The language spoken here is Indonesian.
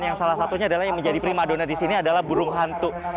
yang salah satunya adalah yang menjadi prima dona di sini adalah burung hantu